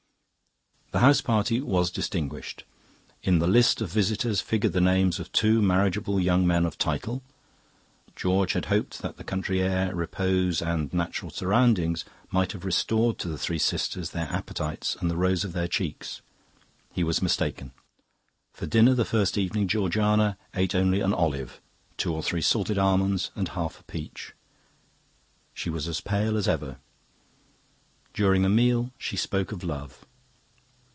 "The house party was distinguished; in the list of visitors figured the names of two marriageable young men of title. George had hoped that country air, repose, and natural surroundings might have restored to the three sisters their appetites and the roses of their cheeks. He was mistaken. For dinner, the first evening, Georgiana ate only an olive, two or three salted almonds, and half a peach. She was as pale as ever. During the meal she spoke of love.